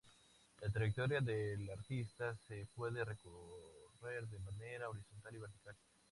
La trayectoria del Artista se puede recorrer de manera horizontal y vertical.